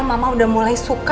mama mau ke